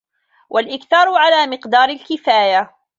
وَالْإِكْثَارِ عَلَى مِقْدَارِ الْكِفَايَةِ